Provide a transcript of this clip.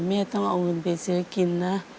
แม่ท่องงงกินสิวะ